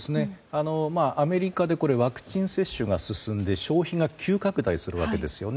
アメリカでワクチン接種が進んで消費が急拡大するわけですよね。